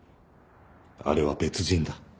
あれは別人だ。